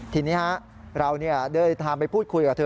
ทีนี้เราเดินทางไปพูดคุยกับเธอ